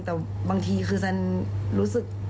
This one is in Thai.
แต่บางทีคือแซนรู้สึก